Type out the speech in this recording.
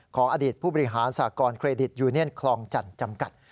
ของอดีตผู้บริหารสากรเครดิตยูเนียนคลองจันทร์จำกัด